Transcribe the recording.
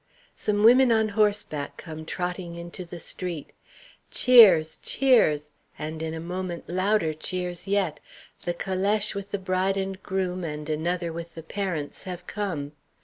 Some women on horseback come trotting into the street. Cheers! cheers! and in a moment louder cheers yet the calèche with the bride and groom and another with the parents have come.